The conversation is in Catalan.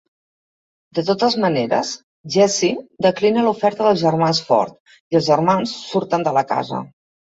De totes maneres, Jesse declina l'oferta dels germans Ford i els germans surten de la casa.